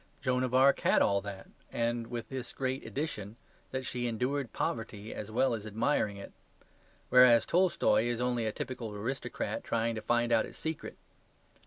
Joan of Arc had all that and with this great addition, that she endured poverty as well as admiring it; whereas Tolstoy is only a typical aristocrat trying to find out its secret.